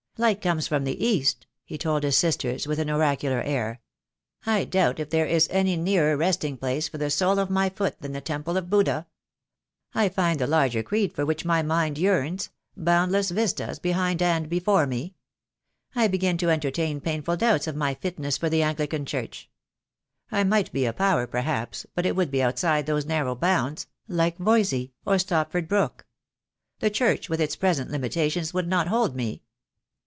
"Light comes from the East," he told his sisters with an oracular air. "I doubt if there is any nearer resting place for the sole of my foot than the Temple of Buddha. I find there the larger creed for which my mind yearns — boundless vistas behind and before me. I begin to entertain painful doubts of my fitness for the Anglican Church. I might be a power, perhaps, but it would be outside those narrow bounds — like Voysey, or Stopford Brooke. The Church, with its present limitations, would not hold me."